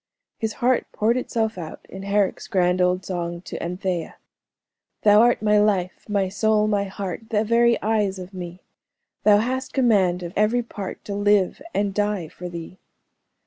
His heart poured itself out in Herrick's grand old song "To Anthea:" "Thou art my life, my soul, my heart, The very eyes of me Thou hast command of every part, To live and die for thee."